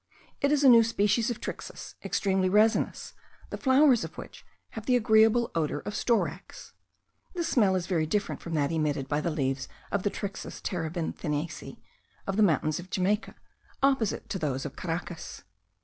It is a new species of Trixis, extremely resinous, the flowers of which have the agreeable odour of storax. This smell is very different from that emitted by the leaves of the Trixis terebinthinacea of the mountains of Jamaica, opposite to those of Caracas.